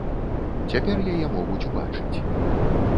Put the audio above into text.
Цяпер яе могуць убачыць.